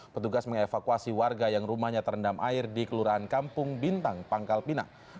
petugas mengevakuasi warga yang rumahnya terendam air di kelurahan kampung bintang pangkal pinang